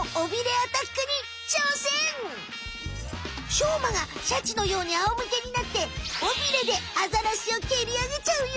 しょうまがシャチのようにあおむけになって尾ビレでアザラシをけり上げちゃうよ。